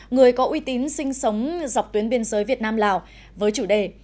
người có uy tín sinh sống dọc tuyến biên giới việt nam lào với chủ đề